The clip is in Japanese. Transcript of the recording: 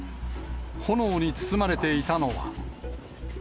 炎に包まれていたのは。